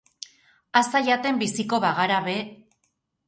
Aza jaten biziko bagara be.